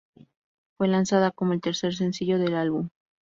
Fue lanzada como el tercer sencillo del álbum.